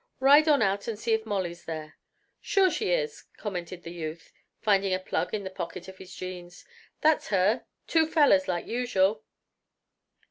"Ride on out and see if Molly's there." "Sure she is!" commented the youth, finding a plug in the pocket of his jeans. "That's her. Two fellers, like usual."